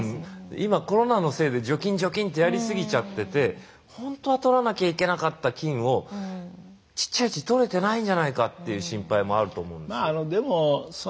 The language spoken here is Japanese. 今コロナのせいで除菌除菌ってやり過ぎちゃってて本当はとらなきゃいけなかった菌をちっちゃいうちにとれてないんじゃないかっていう心配もあると思うんですよ。